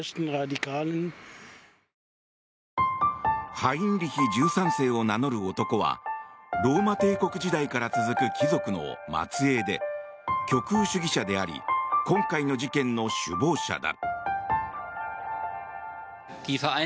ハインリヒ１３世を名乗る男はローマ帝国時代から続く貴族の末えいで極右主義者であり今回の事件の首謀者だ。